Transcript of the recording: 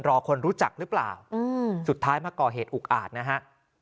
คนรู้จักหรือเปล่าสุดท้ายมาก่อเหตุอุกอาจนะฮะ